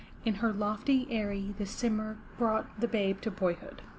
In her lofty eyrie the Simurgh brought the babe to boyhood.